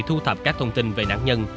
thu thập các thông tin về nạn nhân